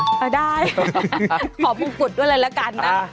อ่าได้ขอพุกกุฎด้วยเลยละกันน่า